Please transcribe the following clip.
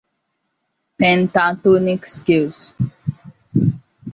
Pentatonic scales.